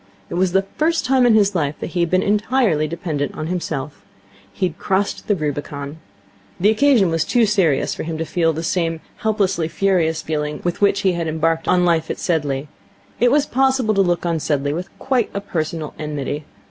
It was the first time in his life that he had been entirely dependent on himself. He had crossed the Rubicon. The occasion was too serious for him to feel the same helplessly furious feeling with which he had embarked on life at Sedleigh. It was possible to look on Sedleigh with quite a personal enmity.